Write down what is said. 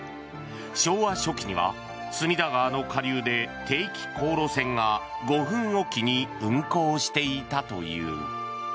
昭和初期には、隅田川の下流で定期航路船が５分おきに運航していたという。